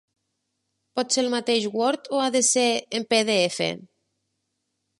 Pot ser el mateix word o ha de ser en pe de efa?